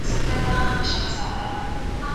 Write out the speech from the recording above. کوچنۍ ټولنپوهنه د انساني ژوند اړيکي څېړي.